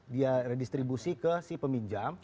dia redistribusi ke si peminjam